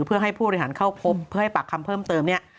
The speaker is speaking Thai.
เพื่อให้ผู้บริหารเข้าพบเพื่อให้ปากคำเพิ่มเติมเนี่ย